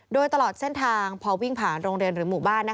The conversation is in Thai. โดยตลอดเส้นทางพอวิ่งผ่านโรงเรียนหรือหมู่บ้าน